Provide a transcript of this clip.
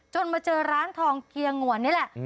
มาเจอร้านทองเกียงวนนี่แหละ